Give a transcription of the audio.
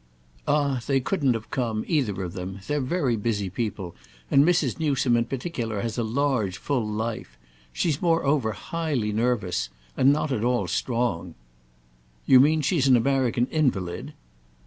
"Ah they couldn't have come—either of them. They're very busy people and Mrs. Newsome in particular has a large full life. She's moreover highly nervous—and not at all strong." "You mean she's an American invalid?"